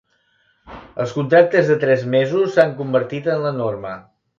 Els contractes de tres mesos s'han convertit en la norma.